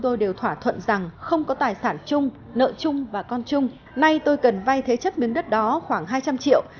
tôi cần vay thế chất miếng đất đó khoảng hai trăm linh triệu